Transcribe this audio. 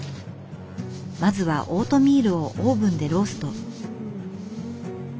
まずはオートミールをオーブンでロースト。